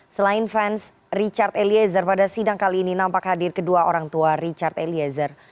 selain fans richard eliezer pada sidang kali ini nampak hadir kedua orang tua richard eliezer